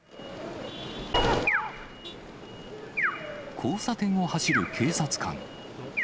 交差点を走る警察官。